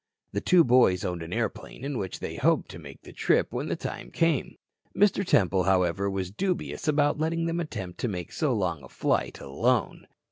The two boys owned an airplane in which they hoped to make the trip when the time came. Mr. Temple, however, was dubious about letting them attempt to make so long a flight alone.